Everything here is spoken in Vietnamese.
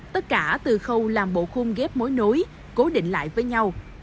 tất cả từ khâu làm bộ khung ghép mối nối cố định lại với nhau